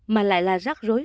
mà lại là rắc rối